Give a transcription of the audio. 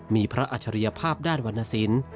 มีพระอัจฉริยภาพด้านวรรณสิน